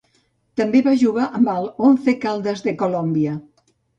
També va jugar amb el Once Caldas de Colombia.